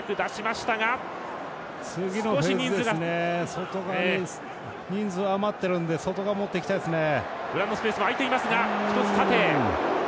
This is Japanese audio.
外側に人数余ってるので外側、持っていきたいですね。